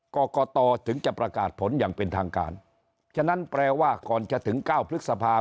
กรกตถึงจะประกาศผลอย่างเป็นทางการฉะนั้นแปลว่าก่อนจะถึงเก้าพฤษภา